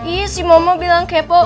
iya si momo bilang kepo